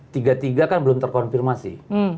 tiga tiga kan belum terkonfirmasi